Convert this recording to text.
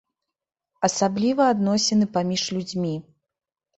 Асабліва адносіны паміж людзьмі.